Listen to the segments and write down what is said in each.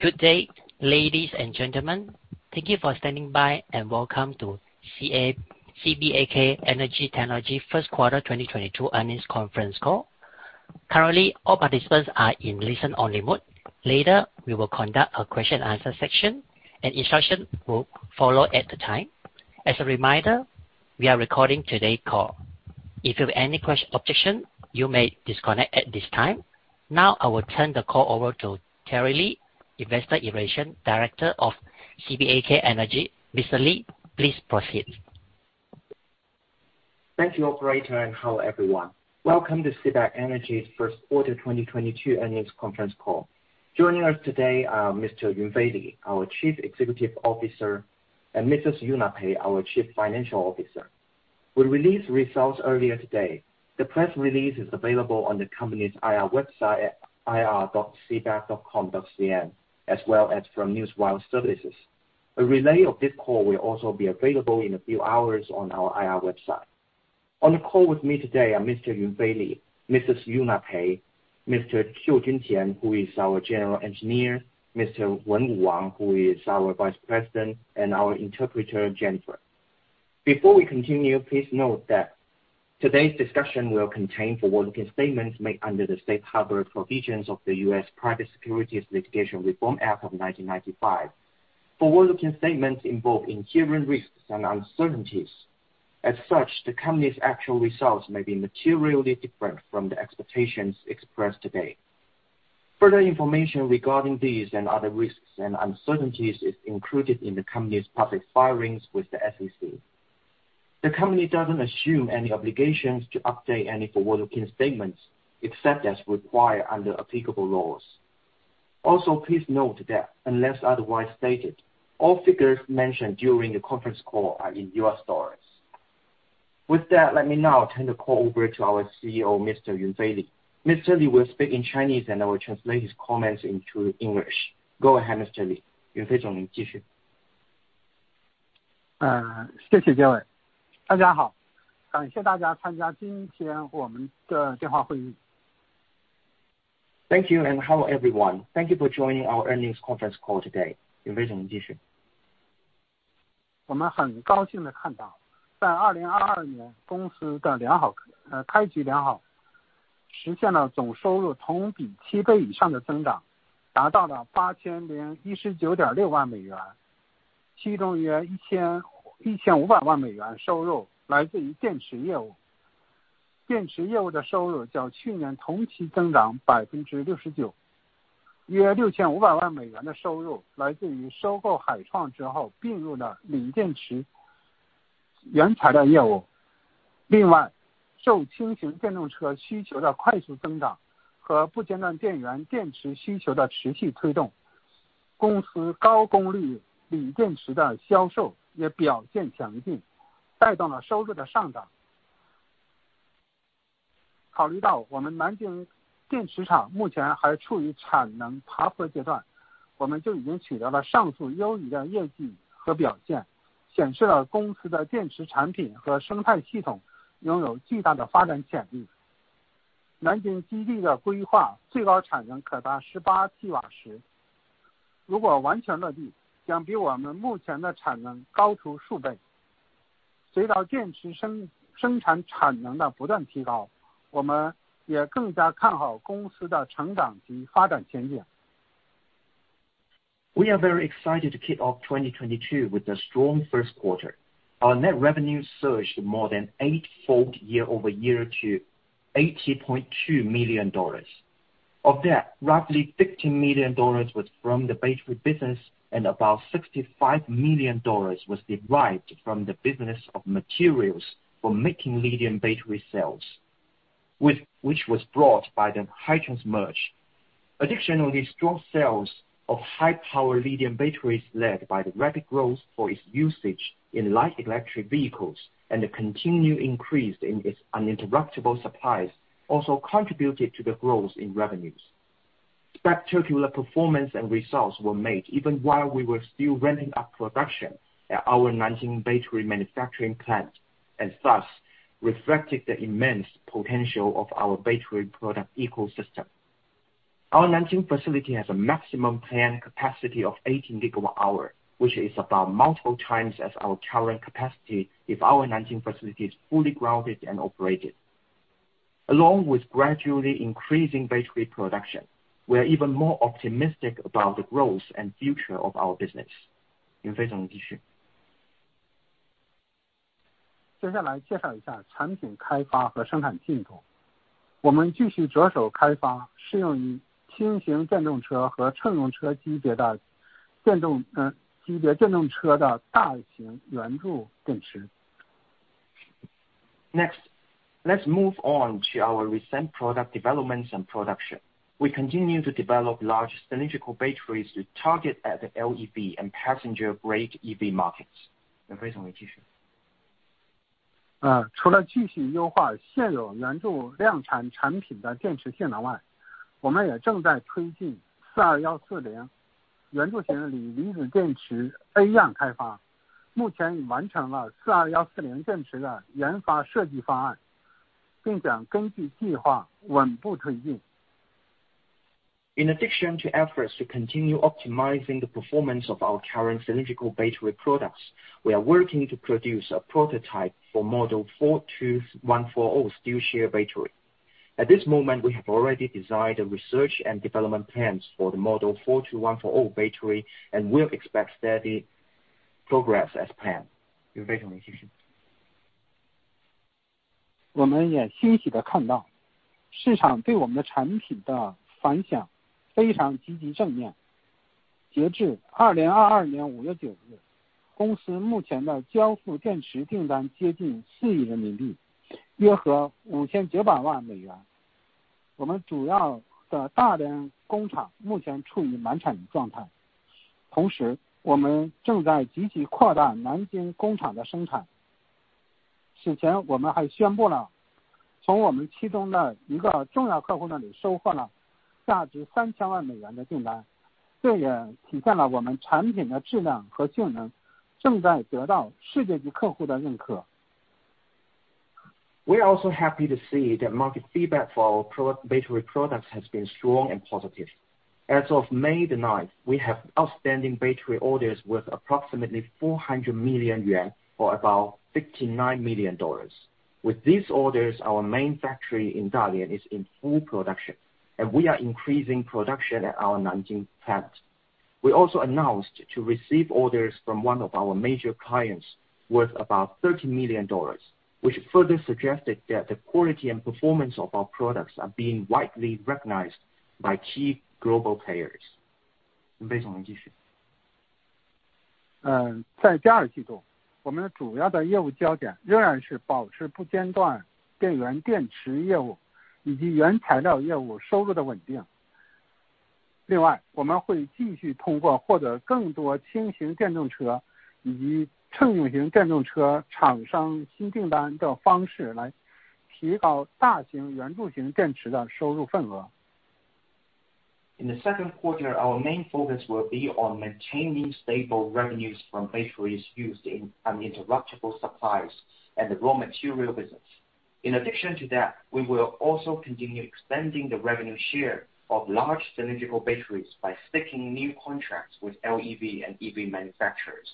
Good day, ladies and gentlemen. Thank you for standing by, and welcome to the CBAK Energy Technology first quarter 2022 earnings conference call. Currently, all participants are in listen-only mode. Later, we will conduct a question answer section, and instruction will follow at the time. As a reminder, we are recording today's call. If you have any objections, you may disconnect at this time. Now I will turn the call over to Jiewei Li, Investor Relations Director of CBAK Energy. Mr. Li, please proceed. Thank you, operator, and hello everyone. Welcome to CBAK Energy's first quarter 2022 earnings conference call. Joining us today are Mr. Yunfei Li, our Chief Executive Officer, and Mrs. Yuna Pei, our Chief Financial Officer. We released results earlier today. The press release is available on the company's IR website at ir.cbak.com.cn as well as from Newswire services. A relay of this call will also be available in a few hours on our IR website. On the call with me today are Mr. Yunfei Li, Mrs. Yuna Pei, Mr. Qiujin Qian, who is our general engineer. Mr. Wenwu Wang, who is our vice president, and our interpreter, Jennifer. Before we continue, please note that today's discussion will contain forward-looking statements made under the safe harbor provisions of the U.S. Private Securities Litigation Reform Act of 1995. Forward-looking statements involve inherent risks and uncertainties. As such, the company's actual results may be materially different from the expectations expressed today. Further information regarding these and other risks and uncertainties is included in the company's public filings with the SEC. The company doesn't assume any obligations to update any forward-looking statements, except as required under applicable laws. Also, please note that unless otherwise stated, all figures mentioned during the conference call are in US dollars. With that, let me now turn the call over to our CEO, Mr. Yunfei Li. Mr. Li will speak in Chinese, and I will translate his comments into English. Go ahead, Mr. Li. Thank you, and hello everyone. Thank you for joining our earnings conference call today. Next, let's move on to our recent product developments and production. We continue to develop large cylindrical batteries to target at the LEV and passenger vehicle EV markets. 并将根据计划稳步推进。In addition to efforts to continue optimizing the performance of our current cylindrical battery products, we are working to produce a prototype for Model 42140 steel shell battery. At this moment, we have already designed the research and development plans for the Model 42140 battery and will expect steady progress as planned. 我们也欣喜地看到，市场对我们的产品的反响非常积极正面。截至2022年5月9日，公司目前的交付电池订单接近CNY We are also happy to see that market feedback for our power battery products has been strong and positive. As of May 9th, we have outstanding battery orders worth approximately 400 million yuan, or about $59 million. With these orders, our main factory in Dalian is in full production and we are increasing production at our Nanjing plant. We also announced the receipt of orders from one of our major clients worth about $30 million, which further suggested that the quality and performance of our products are being widely recognized by key global players. 在第二季度，我们的主要业务焦点仍然是保持不间断电源电池业务以及原材料业务收入的稳定。另外，我们会继续通过获得更多轻型电动车以及乘用车电动车厂商新订单的方式来提高大型圆柱形电池的收入份额。In the second quarter, our main focus will be on maintaining stable revenues from batteries used in uninterruptible power supplies and the raw material business. In addition to that, we will also continue expanding the revenue share of large cylindrical batteries by signing new contracts with LEV and EV manufacturers.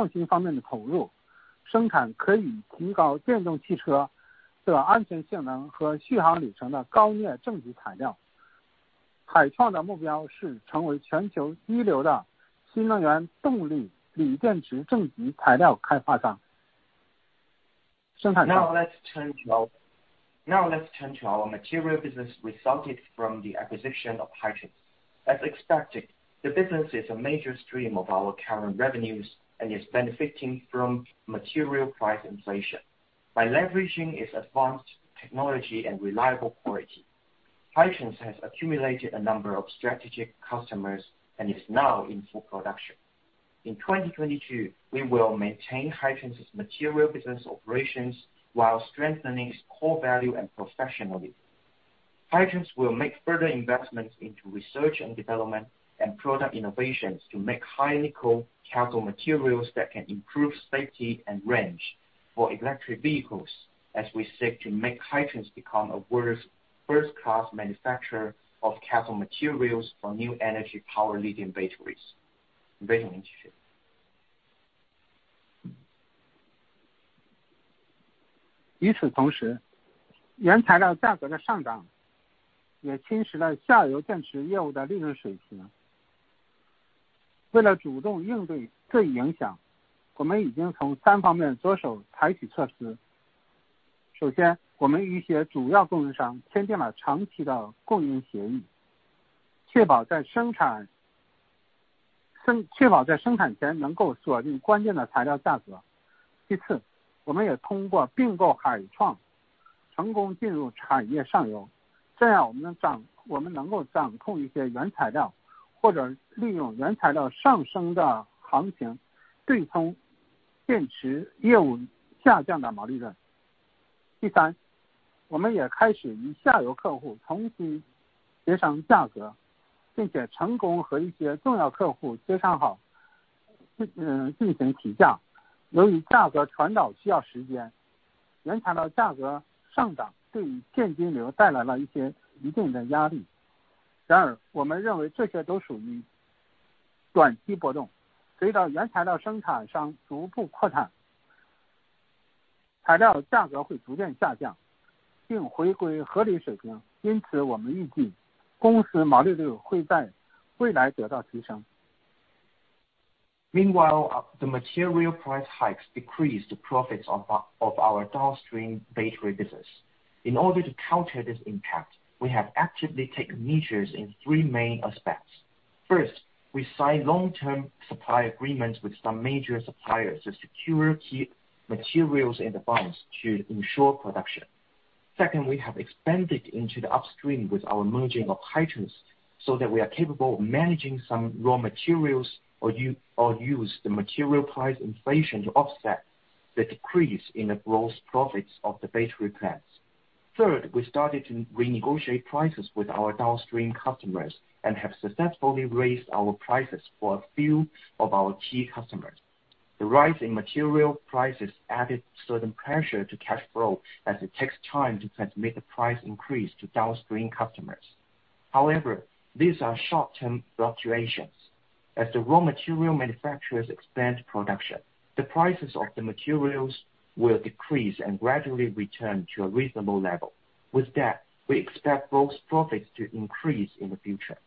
Now let's turn to our material business resulted from the acquisition of Hitrans. As expected, the business is a major stream of our current revenues and is benefiting from material price inflation. By leveraging its advanced technology and reliable quality, Hitrans has accumulated a number of strategic customers and is now in full production. In 2022, we will maintain Hitrans's material business operations while strengthening its core value and professionally. Hitrans will make further investments into research and development and product innovations to make high-nickel cathode materials that can improve safety and range for electric vehicles. As we seek to make Hitrans become a world's first-class manufacturer of cathode materials for new energy power lithium batteries. Meanwhile, the material price hikes decreased the profits of our downstream battery business. In order to counter this impact, we have actively taken measures in three main aspects. First, we signed long-term supply agreements with some major suppliers to secure key materials in advance to ensure production. Second, we have expanded into the upstream with our merging of Hitrans so that we are capable of managing some raw materials or use the material price inflation to offset the decrease in the gross profits of the battery plants. Third, we started to renegotiate prices with our downstream customers and have successfully raised our prices for a few of our key customers. The rise in material prices added certain pressure to cash flow as it takes time to transmit the price increase to downstream customers. However, these are short-term fluctuations. As the raw material manufacturers expand production, the prices of the materials will decrease and gradually return to a reasonable level. With that, we expect those profits to increase in the future.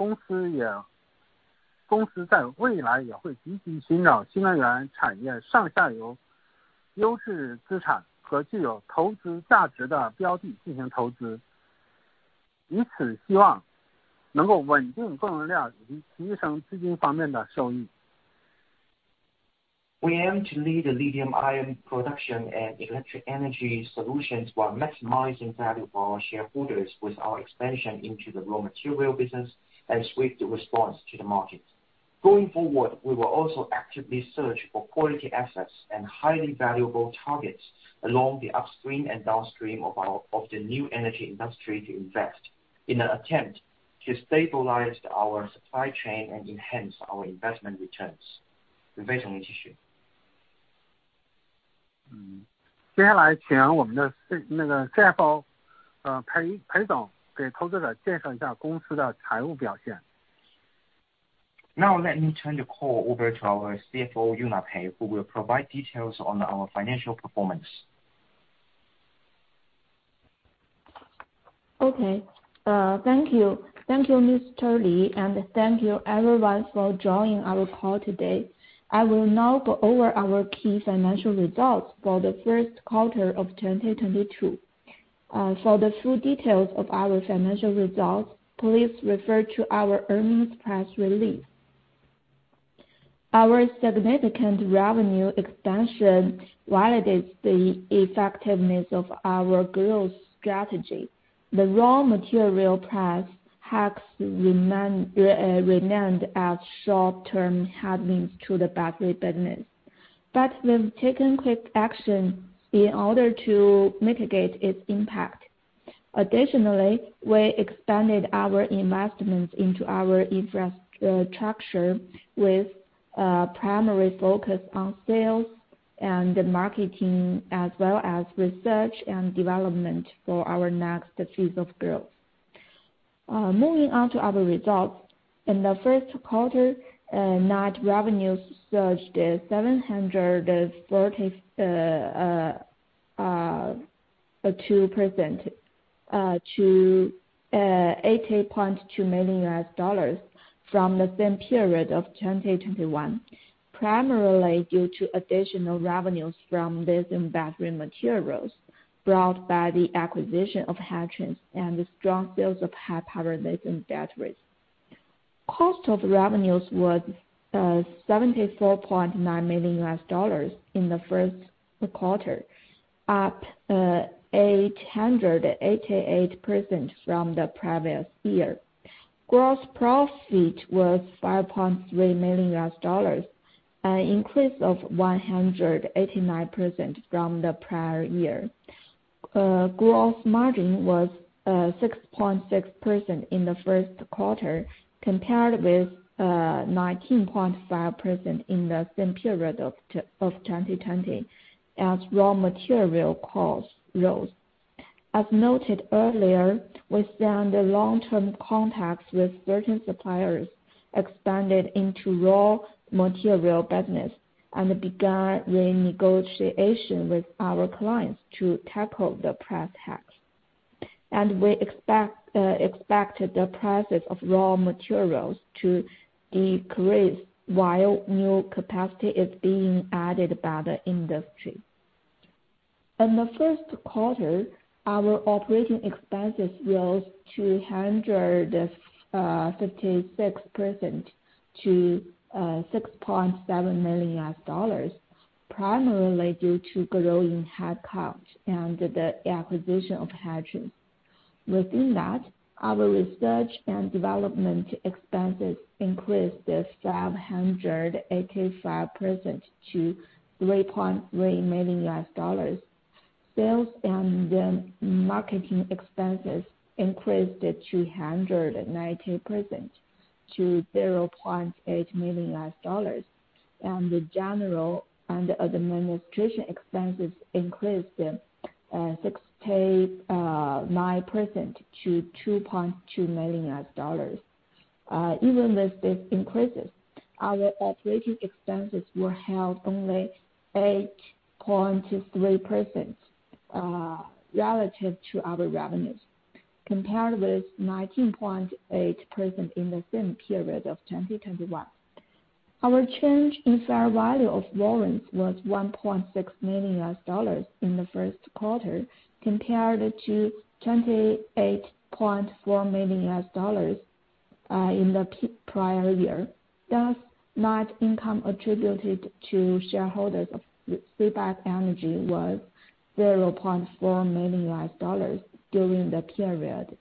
We aim to lead the lithium-ion production and electric energy solutions while maximizing value for our shareholders with our expansion into the raw material business and swift response to the market. Going forward, we will also actively search for quality assets and highly valuable targets along the upstream and downstream of the new energy industry to invest in an attempt to stabilize our supply chain and enhance our investment returns. Now let me turn the call over to our CFO, Yuna Pei, who will provide details on our financial performance. Okay. Thank you. Thank you, Mr. Li, and thank you everyone for joining our call today. I will now go over our key financial results for the first quarter of 2022. For the full details of our financial results, please refer to our earnings press release. Our significant revenue expansion validates the effectiveness of our growth strategy. The raw material price hikes remained as short-term headwinds to the battery business, but we've taken quick action in order to mitigate its impact. Additionally, we expanded our investments into our infrastructure with primary focus on sales and marketing as well as research and development for our next phase of growth. Moving on to our results. In the first quarter, net revenue surged 742% to $80.2 million from the same period of 2021, primarily due to additional revenues from lithium battery materials brought by the acquisition of Hitrans and the strong sales of high power lithium batteries. Cost of revenues was $74.9 million in the first quarter, up 888% from the previous year. Gross profit was $5.3 million, an increase of 189% from the prior year. Gross margin was 6.6% in the first quarter compared with 19.5% in the same period of 2020 as raw material costs rose. As noted earlier, we signed long-term contracts with certain suppliers, expanded into raw material business, and began renegotiation with our clients to tackle the price hikes. We expected the prices of raw materials to decrease while new capacity is being added by the industry. In the first quarter, our operating expenses rose 256% to $6.7 million, primarily due to growing headcounts and the acquisition of Hitrans. Within that, our research and development expenses increased 585% to $3.3 million. Sales and marketing expenses increased to 290%. To $0.8 million, and the general and other administration expenses increased 69% to $2.2 million. Even with these increases, our operating expenses were held only 8.3% relative to our revenues, compared with 19.8% in the same period of 2021. Our change in fair value of warrants was $1.6 million in the first quarter compared to $28.4 million in the prior year. Thus, net income attributed to shareholders of CBAK Energy was $0.4 million during the period,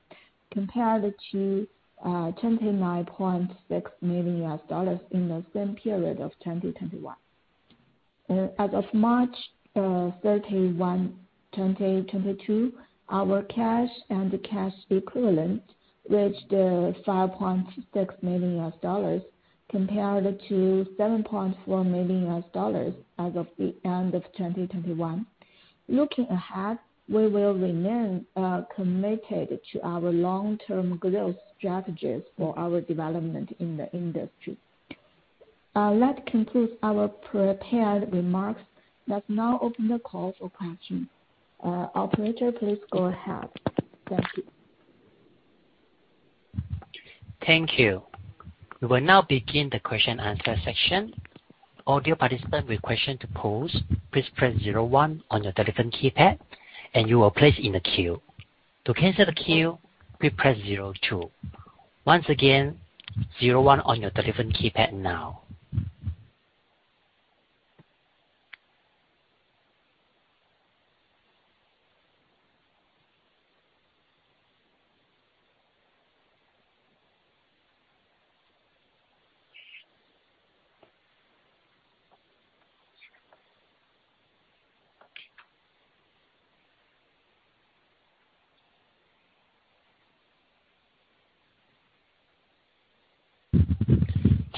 compared to $29.6 million in the same period of 2021. As of March 31, 2022, our cash and cash equivalents reached $5.6 million compared to $7.4 million as of the end of 2021. Looking ahead, we will remain committed to our long-term growth strategies for our development in the industry. That concludes our prepared remarks. Let's now open the call for questions. Operator, please go ahead. Thank you. Thank you. We will now begin the question and answer section. All you participants with question to pose, please press zero one on your telephone keypad and you will place in a queue. To cancel the queue, please press zero two. Once again, zero one on your telephone keypad now.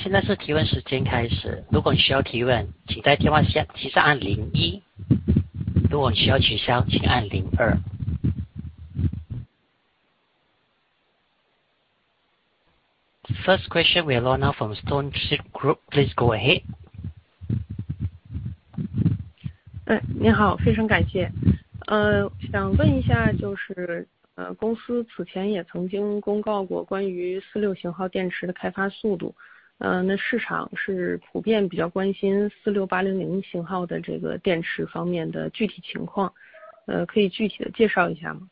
First question we have Lorna from Stoneship Group. Please go ahead. 你好，非常感谢。想问一下，公司此前也曾经公告过关于46系列电池的开发速度，那市场是普遍比较关心46800型号的这个电池方面的具体情况，可以具体地介绍一下吗？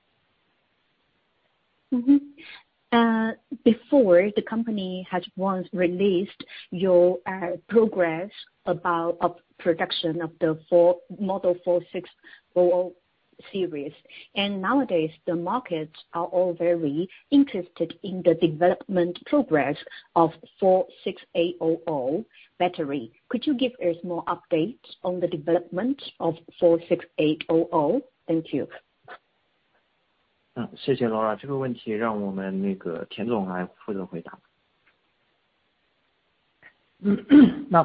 Before the company had once released your progress about the production of the 46-series, nowadays the markets are all very interested in the development progress of the 46800 battery. Could you give us more updates on the development of the 46800? Thank you. 谢谢Lorna，这个问题让我们田总来负责回答。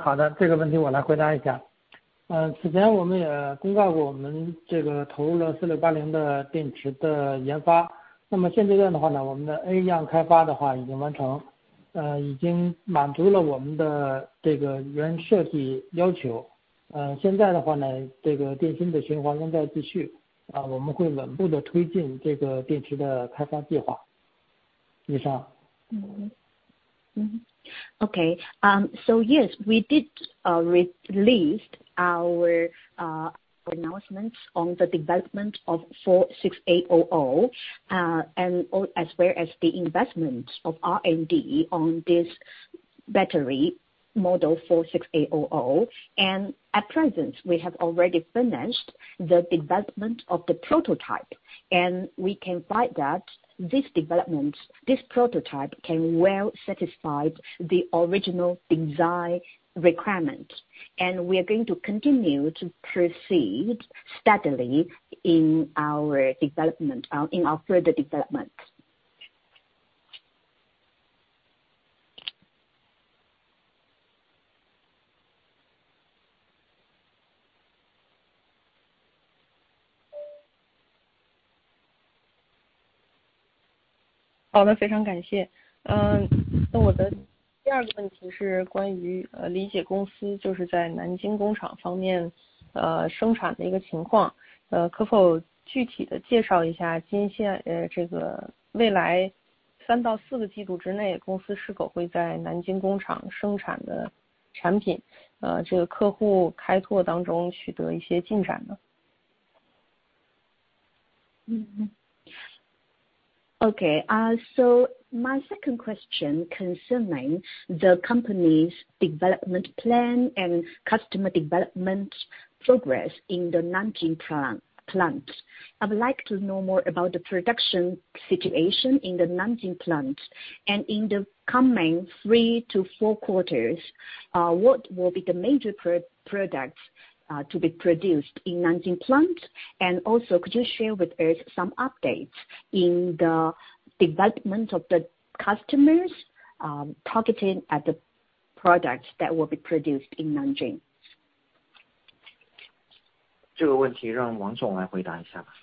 好的，这个问题我来回答一下。此前我们也公告过我们投入了46800电池的研发，那么现阶段的话，我们的A样开发已经完成，已经满足了我们的原设计要求。现在的话，这个电芯的循环仍在继续，我们会稳步地推进这个电池的开发计划。以上。Mm-hmm. Okay, yes, we did release our announcements on the development of 46800, and as well as the investments of R&D on this battery model 46800. At present we have already finished the development of the prototype, and we can find that this development, this prototype can well satisfy the original design requirements. We are going to continue to proceed steadily in our development, in our further development. Okay. My second question concerning the company's development plan and customer development progress in the Nanjing plant. I would like to know more about the production situation in the Nanjing plant. In the coming three to four quarters, what will be the major products to be produced in Nanjing plant? Could you share with us some updates in the development of the customers targeting at the products that will be produced in Nanjing? 这个问题让王总来回答一下吧。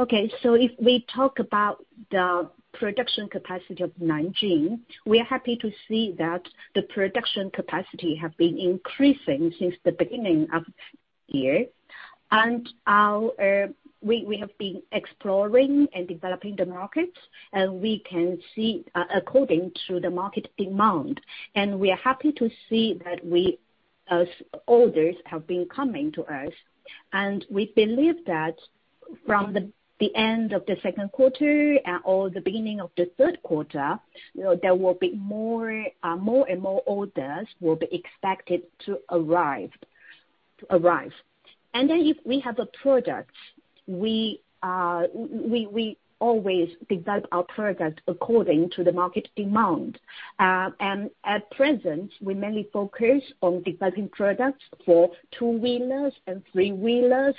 Okay, so if we talk about the production capacity of Nanjing, we are happy to see that the production capacity have been increasing since the beginning of year, and we have been exploring and developing the markets, and we can see according to the market demand, and we are happy to see that as orders have been coming to us, and we believe that from the end of the second quarter or the beginning of the third quarter, there will be more and more orders expected to arrive. If we have a product, we always develop our product according to the market demand and at present we mainly focus on developing products for two wheelers and three wheelers,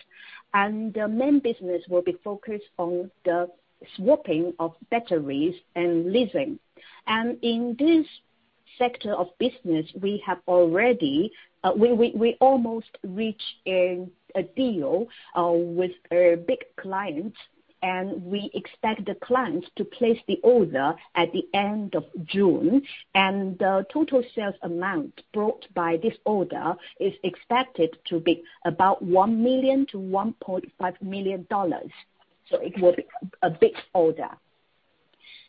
and the main business will be focused on the swapping of batteries and leasing. In this sector of business we have already almost reach a deal with a big client, and we expect the client to place the order at the end of June. The total sales amount brought by this order is expected to be about $1 million-$1.5 million, so it will be a big order.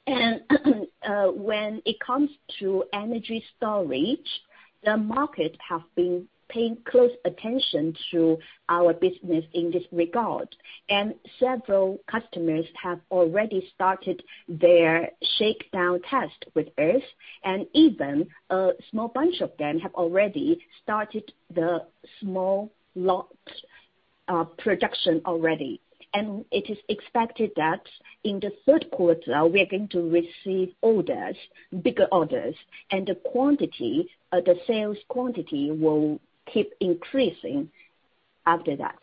When it comes to energy storage, the market has been paying close attention to our business in this regard, and several customers have already started their shakedown test with us, and even a small bunch of them have already started the small lot production already. It is expected that in the third quarter, we are going to receive orders, bigger orders, and the quantity, the sales quantity will keep increasing after that.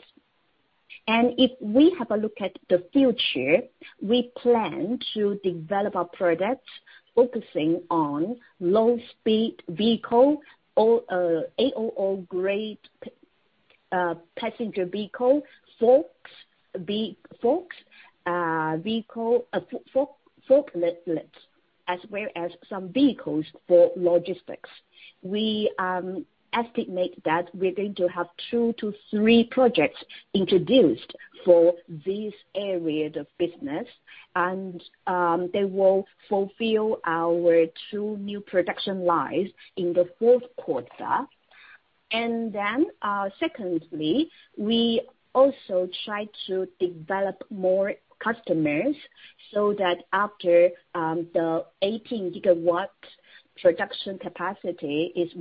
If we have a look at the future, we plan to develop our products focusing on low speed vehicle or A00 grade passenger vehicle, forklifts, as well as some vehicles for logistics. We estimate that we're going to have two to three projects introduced for these areas of business, and they will fulfill our two new production lines in the fourth quarter. Secondly, we also try to develop more customers so that after the 18 gigawatt production capacity is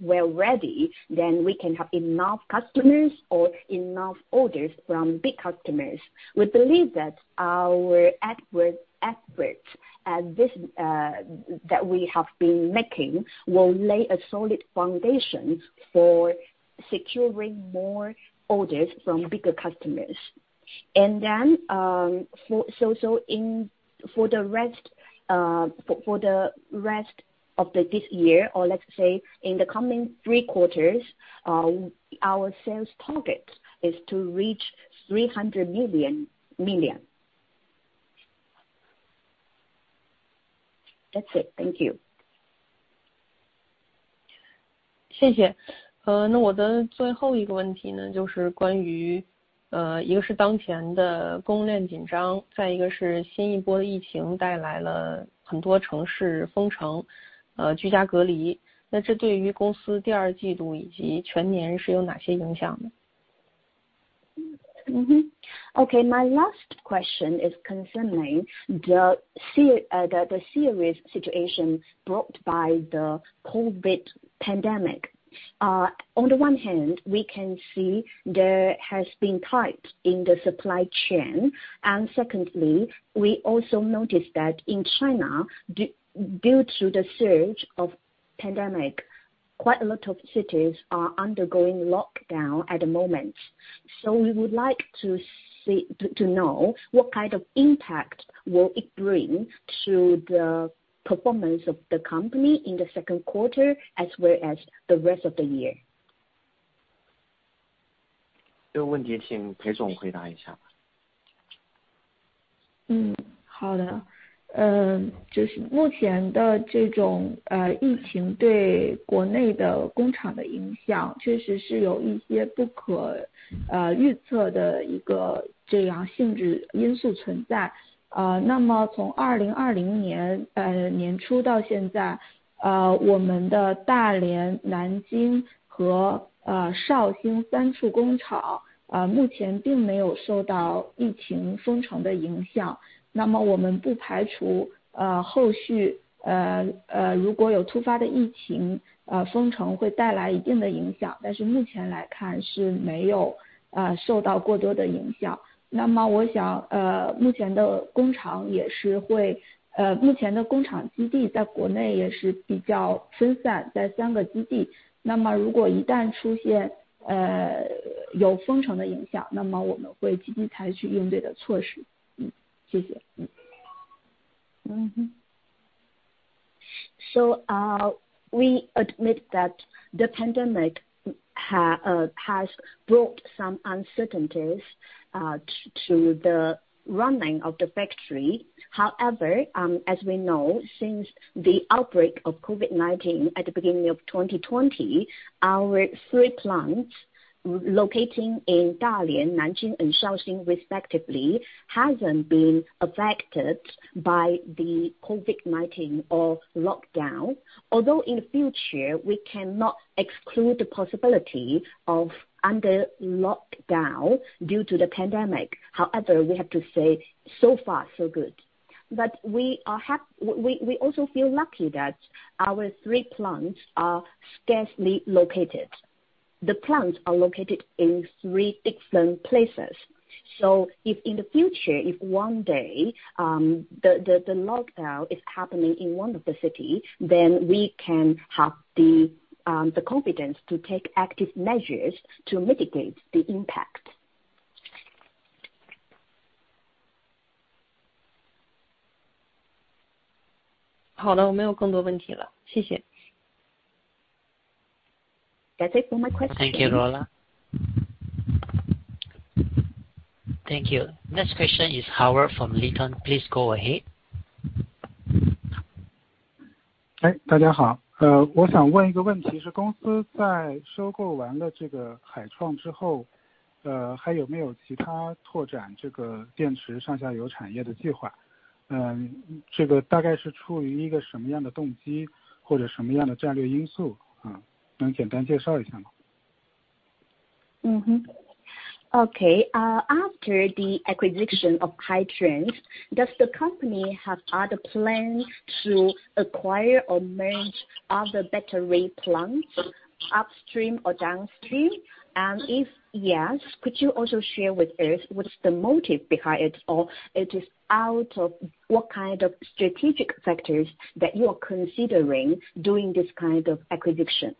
well ready, then we can have enough customers or enough orders from big customers. We believe that our efforts that we have been making will lay a solid foundation for securing more orders from bigger customers. For the rest of this year or let's say in the coming three quarters, our sales target is to reach $300 million. That's it, thank you. 那我的最后一个问题呢，就是关于，一个是当前的供应链紧张，再一个是新一波的疫情带来了很多城市封城、居家隔离，那这对于公司第二季度以及全年是有哪些影响呢？ Okay, my last question is concerning the serious situation brought by the COVID pandemic. On the one hand, we can see there has been tightness in the supply chain. Secondly, we also noticed that in China, due to the surge of the pandemic, quite a lot of cities are undergoing lockdown at the moment. We would like to know what kind of impact it will bring to the performance of the company in the second quarter as well as the rest of the year. 这问题请裴总回答一下。目前的工厂基地在国内也是比较分散在三个基地，那么如果一旦出现有封城的影响，那么我们会积极采取应对的措施。谢谢。We admit that the pandemic has brought some uncertainties to the running of the factory. However, as we know, since the outbreak of COVID-19 at the beginning of 2020, our three plants located in Dalian, Nanjing and Shaoxing respectively haven't been affected by the COVID-19 or lockdown. Although in the future we cannot exclude the possibility of a lockdown due to the pandemic. However, we have to say so far so good. We also feel lucky that our three plants are sparsely located. The plants are located in three different places. If in the future, if one day, the lockdown is happening in one of the cities, then we can have the confidence to take active measures to mitigate the impact. 好了，我没有更多问题了，谢谢。That's it for my question. Thank you, Lorna. Thank you. Next question is Howard from Linton. Please go ahead. 大家好，我想问一个问题，是公司在收购完了这个Hitrans之后，还有没有其他拓展这个电池上下游产业的计划？这个大概是出于一个什么样的动机或者什么样的战略因素啊？能简单介绍一下吗？ Okay, after the acquisition of Hitrans, does the company have other plans to acquire or merge other battery plants upstream or downstream? If yes, could you also share with us what is the motive behind it? It is out of what kind of strategic factors that you are considering doing this kind of acquisition?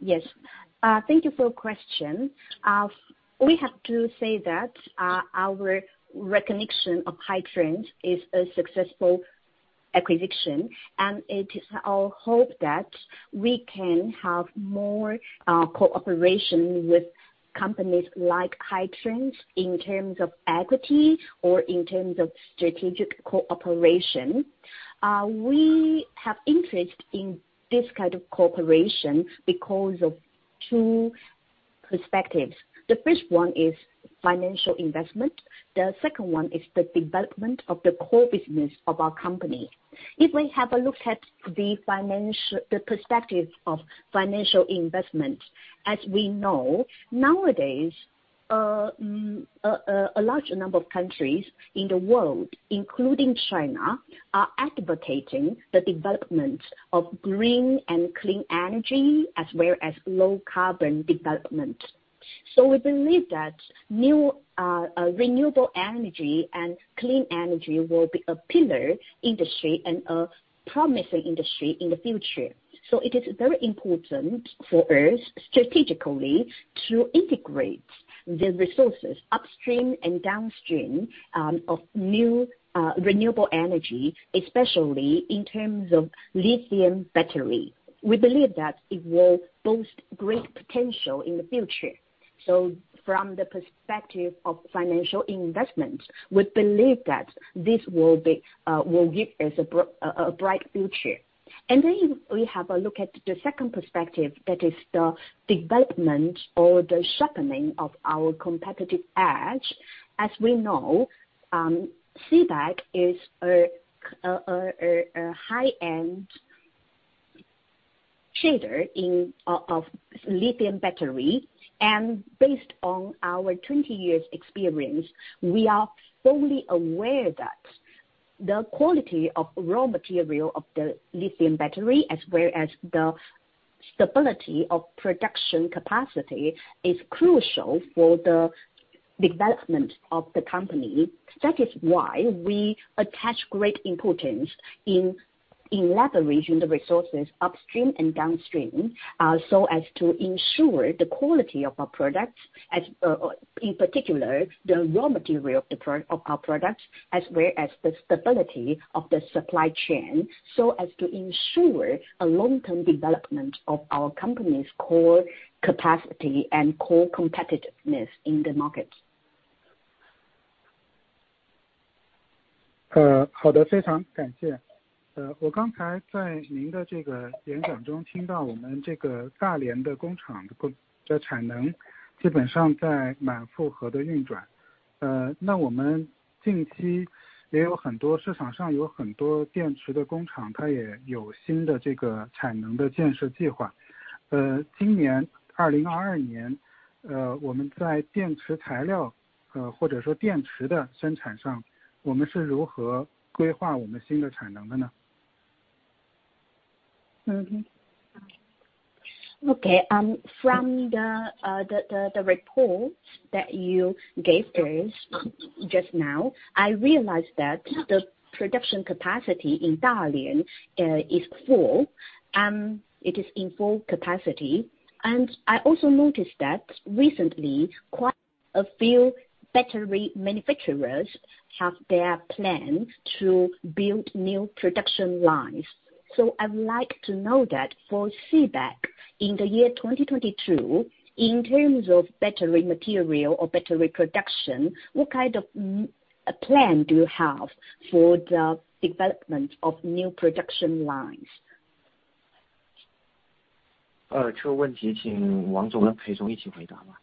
Yes. Thank you for your question. We have to say that our recognition of Hitrans is a successful acquisition and it is our hope that we can have more cooperation with companies like Hitrans in terms of equity or in terms of strategic cooperation. We have interest in this kind of cooperation because of two perspectives. The first one is financial investment. The second one is the development of the core business of our company. If we have a look at the financial perspective of financial investment, as we know, nowadays, a large number of countries in the world, including China, are advocating the development of green and clean energy as well as low carbon development. We believe that new renewable energy and clean energy will be a pillar industry and a promising industry in the future. It is very important for us strategically to integrate the resources upstream and downstream of new renewable energy, especially in terms of lithium battery. We believe that it will boast great potential in the future. From the perspective of financial investment, we believe that this will give us a bright future. We have a look at the second perspective, that is the development or the sharpening of our competitive edge. As we know, CBAK is a high-end trader in of lithium battery. Based on our 20 years experience, we are fully aware that the quality of raw material of the lithium battery, as well as the stability of production capacity, is crucial for the development of the company. That is why we attach great importance to elaborating the resources upstream and downstream, so as to ensure the quality of our products and, in particular, the raw material of our products, as well as the stability of the supply chain, so as to ensure long-term development of our company's core capacity and core competitiveness in the market. OK. From the report that you gave us just now, I realized that the production capacity in Dalian is full, it is in full capacity. I also noticed that recently quite a few battery manufacturers have their plans to build new production lines. I would like to know that for CBAK in the year 2022, in terms of battery material or battery production, what kind of a plan do you have for the development of new production lines? 这个问题请王总和裴总一起回答吧。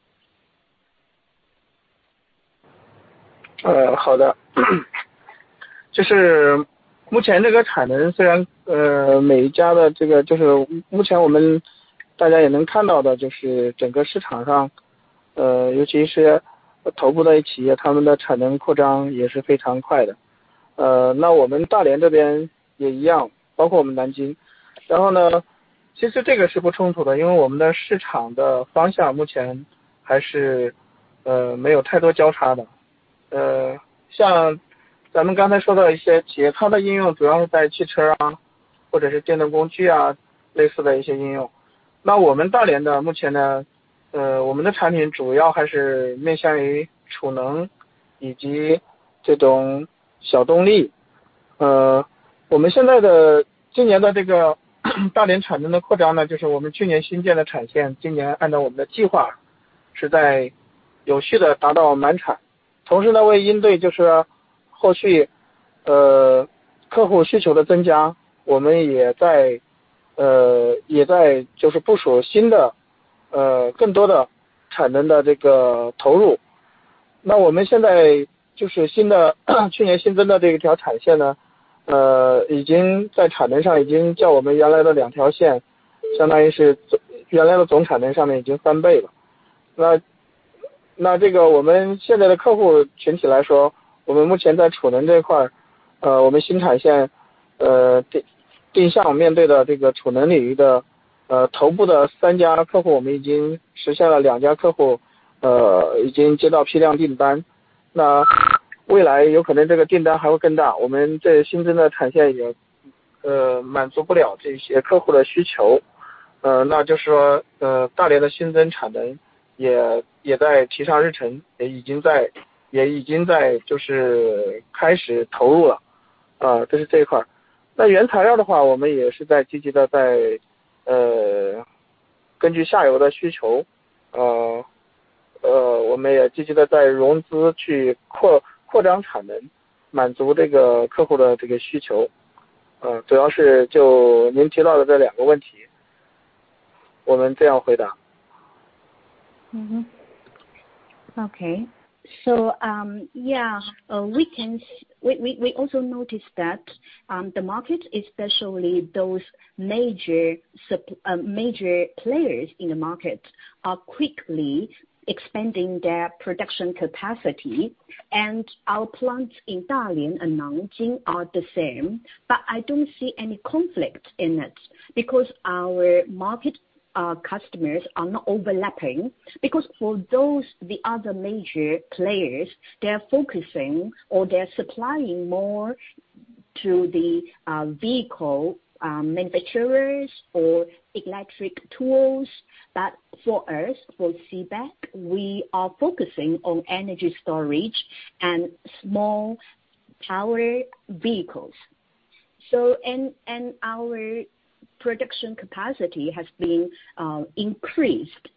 Yeah, we also notice that the market, especially those major players in the market, are quickly expanding their production capacity. Our plants in Dalian and Nanjing are the same. I don't see any conflict in it, because our market, our customers are not overlapping, because for those other major players, they are focusing or they are supplying more to the vehicle manufacturers or electric tools. For us, for CBAK, we are focusing on energy storage and small power vehicles. Our production capacity has been increased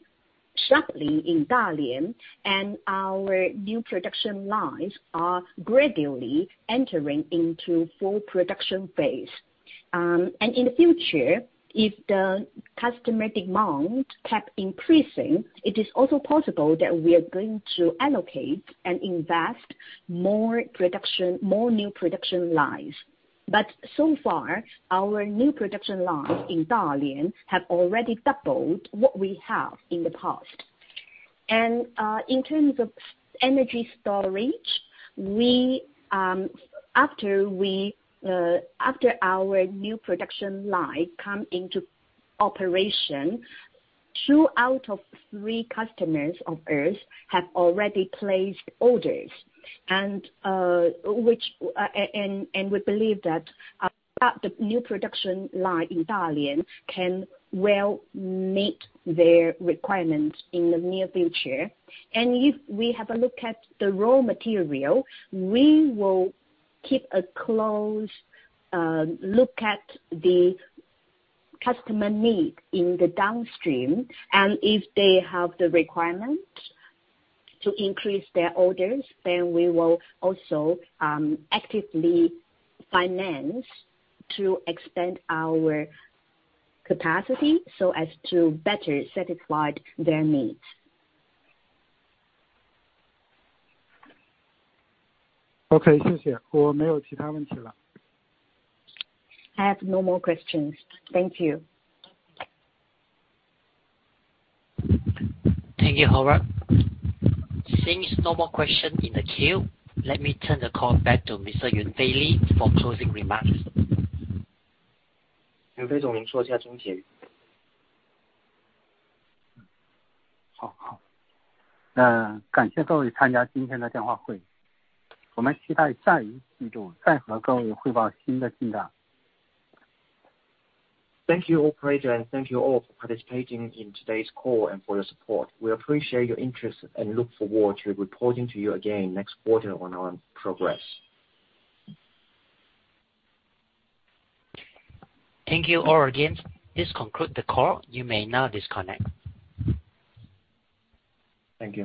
sharply in Dalian and our new production lines are gradually entering into full production phase. In the future, if the customer demand kept increasing, it is also possible that we are going to allocate and invest more production, more new production lines. So far our new production lines in Dalian have already doubled what we have in the past. In terms of energy storage, after our new production line come into operation, two out of three customers of ours have already placed orders, and we believe that the new production line in Dalian can well meet their requirements in the near future. If we have a look at the raw material, we will keep a close look at the customer need in the downstream. If they have the requirement to increase their orders, then we will also actively finance to extend our capacity so as to better satisfied their needs. 好，谢谢，我没有其他问题了。I have no more questions. Thank you. Thank you, Howard. Seems no more questions in the queue. Let me turn the call back to Yunfei Li for closing remarks. 袁飞总，您说一下终结语。好，好。那感谢各位参加今天的电话会，我们期待下一季度再和各位汇报新的进展。Thank you operator, and thank you all for participating in today's call and for your support. We appreciate your interest and look forward to reporting to you again next quarter on our progress. Thank you all again. This conclude the call. You may now disconnect. Thank you.